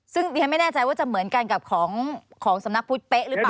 ซึ่งดิฉันไม่แน่ใจว่าจะเหมือนกันกับของสำนักพุทธเป๊ะหรือเปล่า